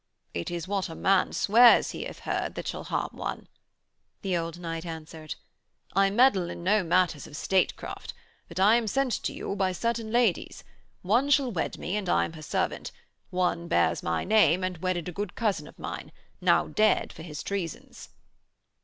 'It is what a man swears he hath heard that shall harm one,' the old knight answered. 'I meddle in no matters of statecraft, but I am sent to you by certain ladies; one shall wed me and I am her servant; one bears my name and wedded a good cousin of mine, now dead for his treasons.'